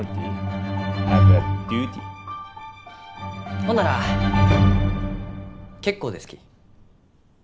ほんなら結構ですき。